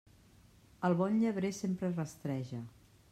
El bon llebrer sempre rastreja.